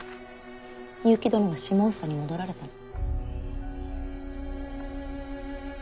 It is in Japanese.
結城殿が下総に戻られたの。